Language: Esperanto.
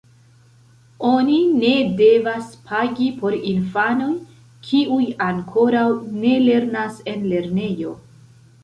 Oni ne devas pagi por infanoj, kiuj ankoraŭ ne lernas en lernejo.